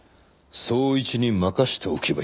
捜一に任せておけばいい。